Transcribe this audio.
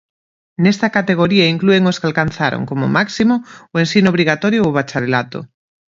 Nesta categoría inclúen os que alcanzaron, como máximo, o ensino obrigatorio ou bacharelato.